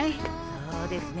そうですね。